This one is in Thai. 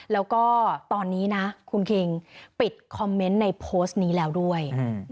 แล้วก็ตอนนี้นะคุณคิงปิดคอมเมนต์ในโพสต์นี้แล้วด้วย